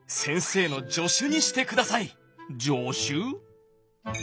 助手？